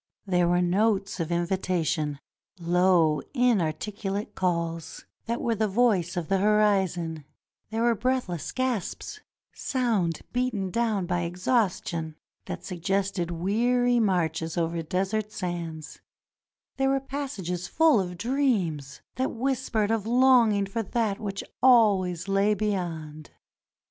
There were notes of invitation, low, inarticulate calls, that were the voice of the horizon ; there were breathless gasps, sound beaten down by exhaustion, that suggested weary marches over desert sands; there were passages full of dreams that whispered of longing for that which always lay beyond.